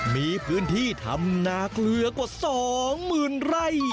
มีพื้นที่ทำนาเกลือกว่าสองหมื่นไร่